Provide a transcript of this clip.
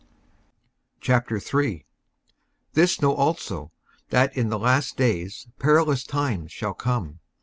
55:003:001 This know also, that in the last days perilous times shall come.